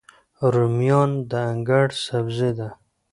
رومیان د انګړ سبزي ده